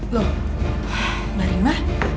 loh mbak rima